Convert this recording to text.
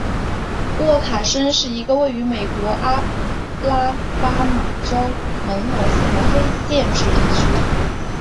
沃卡申是一个位于美国阿拉巴马州门罗县的非建制地区。